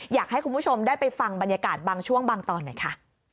อยากให้คุณผู้ชมได้ไปฟังบรรยากาศบางช่วงบางตอนหน่อยค่ะ